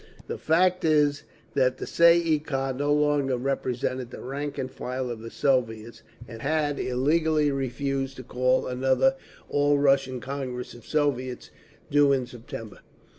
The fact is that the Tsay ee kah no longer represented the rank and file of the Soviets, and had illegally refused to call another All Russian Congress of Soviets, due in September.